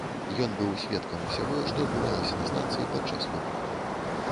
Ён быў сведкам усяго, што адбывалася на станцыі падчас выбуху.